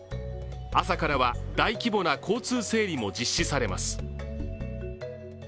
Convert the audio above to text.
朝からは大規模な交通整理も実施されます。